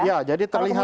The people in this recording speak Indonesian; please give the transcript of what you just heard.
ya jadi terlihat